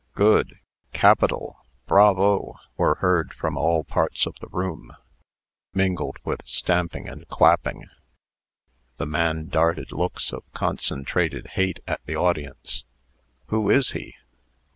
"Good!" "Capital!" "Bravo!" were heard from all parts of the room, mingled with stamping and clapping. The man darted looks of concentrated hate at the audience. "Who is he?"